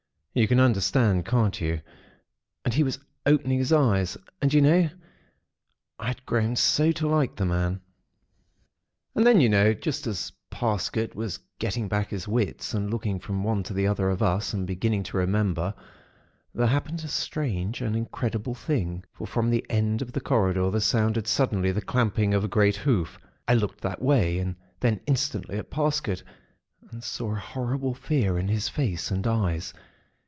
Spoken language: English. You can understand, can't you. And he was opening his eyes. And, you know, I had grown so to like the man. "And then, you know, just as Parsket was getting back his wits, and looking from one to the other of us, and beginning to remember, there happened a strange and incredible thing. For from the end of the corridor, there sounded, suddenly, the clamping of a great hoof. I looked that way, and then instantly at Parsket, and saw a horrible fear in his face and eyes.